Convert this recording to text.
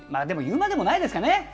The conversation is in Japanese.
でも言うまでもないですかね。